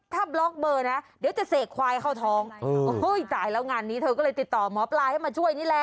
ถ้าบล็อกเบอร์นะเดี๋ยวจะเสกควายเข้าท้องโอ้โหตายแล้วงานนี้เธอก็เลยติดต่อหมอปลาให้มาช่วยนี่แหละ